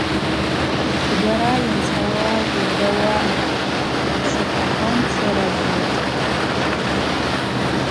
Дзгара йанцауа йыргауа апщырхӏаква мцыразлитӏ.